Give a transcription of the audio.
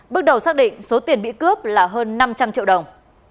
bước đầu xác định số tiền bị cướp là hơn năm trăm linh triệu đồng